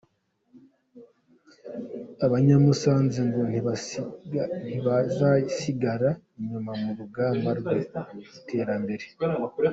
Abanyamusanze ngo ntibazasigara inyuma mu rugamba rw’iterambere.